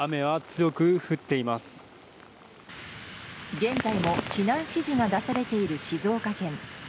現在も避難指示が出されている静岡県。